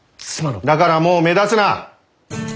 だからもう目立つな！